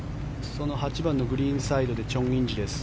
その８番のグリーンサイドでチョン・インジです。